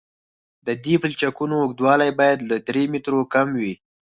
د دې پلچکونو اوږدوالی باید له درې مترو کم وي